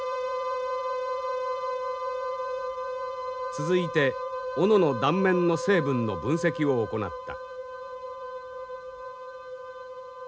続いて斧の断面の成分の分析を行った。